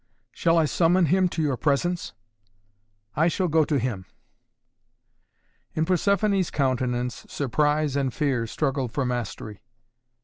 "Shall I summon him to your presence?" "I shall go to him!" In Persephoné's countenance surprise and fear struggled for mastery.